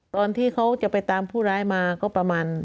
ตอนที่เขาจะไปตามผู้ร้ายมาก็ประมาณ